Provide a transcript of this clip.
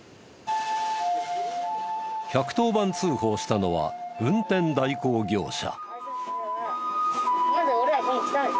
１１０番通報したのは運転代行業者。